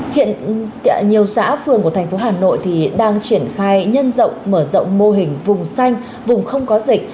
hiện nhiều xã phường của tp hcm đang triển khai nhân rộng mở rộng mô hình vùng xanh vùng không có dịch